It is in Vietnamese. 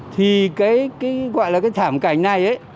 thì cái gọi là cái thảm cảnh này